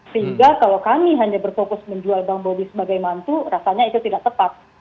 sehingga kalau kami hanya berfokus menjual bang bobi sebagai mantu rasanya itu tidak tepat